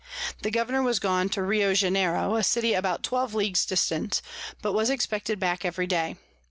The Governour was gone to Riojanero, a City about 12 Ls. distant, but expected back every day.